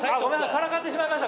からかってしまいました！